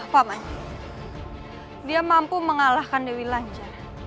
pak man dia mampu mengalahkan dewi lanjar